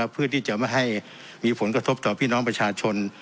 เพื่อที่จะไม่ให้มีผลกระทบต่อพี่น้องประชาชน